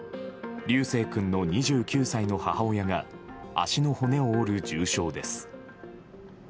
琉正君の２９歳の母親が足の骨を折る重傷です。